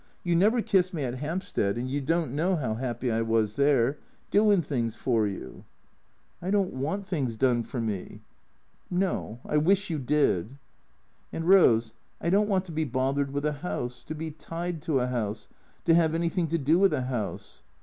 " You never kissed me at Hampstead, and you don't know how happy I was there, Doin' things for you." " 1 don't want things done for me." " No. I wish you did." " And, Rose, I don't want to be bothered with a house ; to be tied to a house ; to have anything to do with a house."